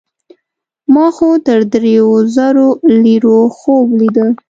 ما خو د دریو زرو لیرو خوب لیده.